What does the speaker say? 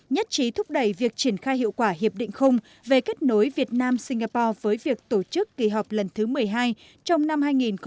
nhất trí thúc đẩy việc triển khai hiệu quả hiệp định khung về kết nối việt nam singapore với việc tổ chức kỳ họp lần thứ một mươi hai trong năm hai nghìn một mươi chín